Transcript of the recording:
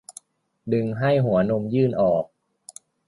ดึงให้หัวนมยื่นออก